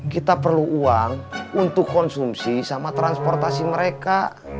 kita perlu uang untuk konsumsi sama transportasi mereka